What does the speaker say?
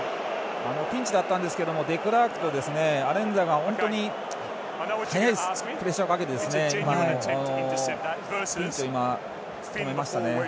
ピンチだったんですがデクラークとアレンザが早いプレッシャーをかけてピンチを止めましたね。